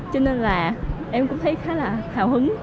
cho nên là em cũng thấy khá là hào hứng